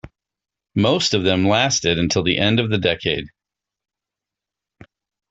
Most of them lasted until the end of the decade.